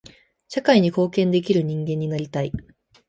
社会に貢献できる人間になりたい。